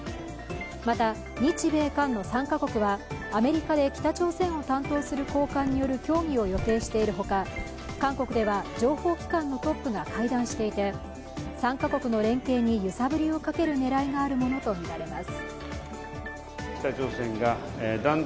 また日米韓の３カ国はアメリカで北朝鮮を担当する高官による協議を予定しているほか、韓国では情報機関のトップが会談していて３カ国の連携に揺さぶりをかける狙いがあるものとみられます。